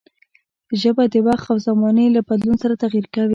ژبه د وخت او زمانې له بدلون سره تغير کوي.